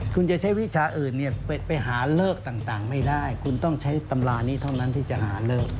คุณจะใช้วิชาอื่นไปหาเลิกต่างไม่ได้คุณต้องใช้ตำรานี้เท่านั้นที่จะหาเลิก